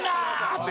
って。